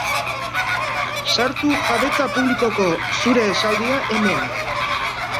Sartu jabetza publikoko zure esaldia hemen.